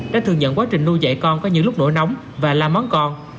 đã thừa nhận quá trình nuôi dạy con có những lúc nổ nóng và la món con